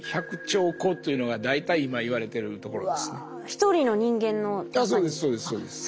一人の人間の中に？